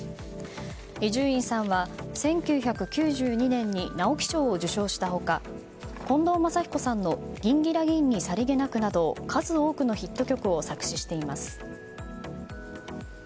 伊集院さんは１９９２年に直木賞を受賞した他近藤真彦さんの「ギンギラギンにさりげなく」など数多くのヒット曲を作詞しています。